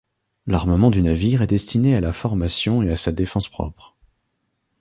L'armement du navire est destiné à la formation et à sa défense propre.